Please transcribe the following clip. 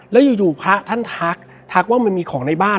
แล้วอยู่พระท่านทักทักว่ามันมีของในบ้าน